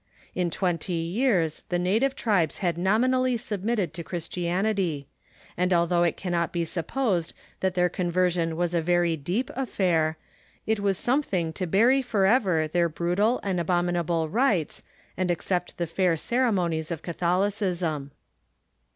In twenty years the native tribes had nominally submitted to Christianity ; and although it cannot be supposed that their conversion was a very deep affair, it was something to bury forever their brutal and abominable rites and accept the fair ceremonies of Catholicism.